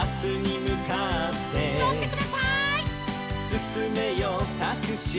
「すすめよタクシー」